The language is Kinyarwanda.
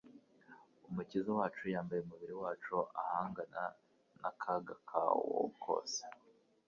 Umukiza wacu yambaye umubiri wacu ahangana n'akaga ka wo kose;